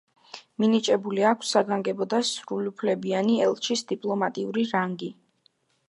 მინიჭებული აქვს საგანგებო და სრულუფლებიანი ელჩის დიპლომატიური რანგი.